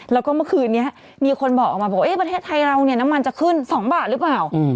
แล้วก็เมื่อคืนนี้มีคนบอกออกมาบอกว่าประเทศไทยเราเนี่ยน้ำมันจะขึ้น๒บาทหรือเปล่า